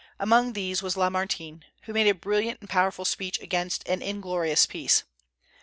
Among these was Lamartine, who made a brilliant and powerful speech against an inglorious peace.